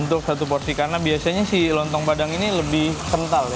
untuk satu porsi karena biasanya si lontong padang ini lebih kental ya